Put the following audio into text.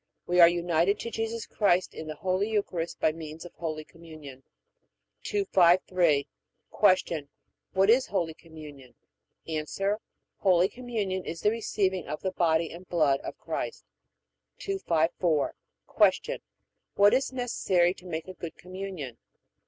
We are united to Jesus Christ in the Holy Eucharist by means of Holy Communion. 253. Q. What is Holy Communion? A. Holy Communion is the receiving of the body and blood of Christ. 254. Q. What is necessary to make a good Communion?